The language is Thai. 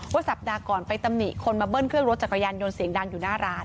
สัปดาห์ก่อนไปตำหนิคนมาเบิ้ลเครื่องรถจักรยานยนต์เสียงดังอยู่หน้าร้าน